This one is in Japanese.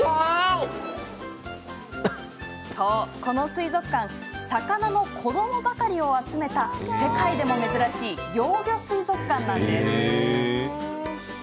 この水族館魚の子どもばかりを集めた世界でも珍しい幼魚水族館なんです。